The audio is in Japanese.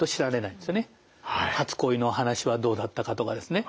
初恋の話はどうだったかとかですね